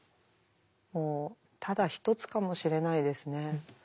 もうただ一つかもしれないですね。